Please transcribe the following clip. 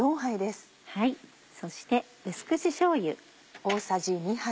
そして淡口しょうゆ。